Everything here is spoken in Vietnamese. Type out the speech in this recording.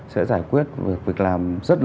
sẽ giải quyết việc làm